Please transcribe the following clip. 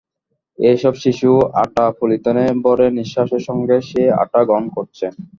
এসব শিশু আঠা পলিথিনে ভরে নিঃশ্বাসের সঙ্গে সেই আঠা গ্রহণ করছে।